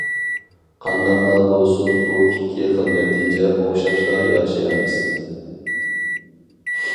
قانداقلا بولسۇن بۇ ئىككى خىل نەتىجە ئوخشاشلا ياخشى ئەمەس.